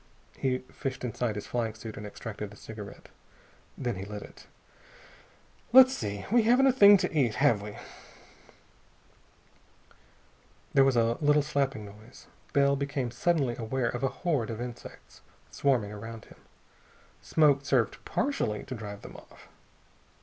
He fished inside his flying suit and extracted a cigarette. Then he lit it. "Let's see.... We haven't a thing to eat, have we?" There was a little slapping noise. Bell became suddenly aware of a horde of insects swarming around him. Smoke served partially to drive them off.